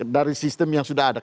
dari sistem yang sudah ada